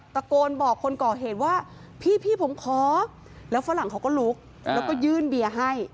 ตะโกนบอกคนก่อเหตุว่าพี่ผมขอแล้วฝรั่งเขาก็ลุกแล้วก็ยื่นเบียร์ให้